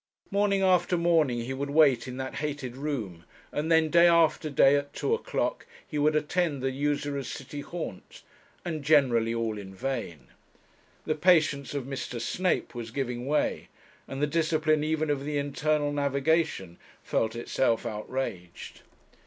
Morning after morning he would wait in that hated room; and then day after day, at two o'clock, he would attend the usurer's city haunt and generally all in vain. The patience of Mr. Snape was giving way, and the discipline even of the Internal Navigation felt itself outraged.